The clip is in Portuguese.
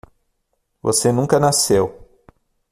Você nunca nasceu.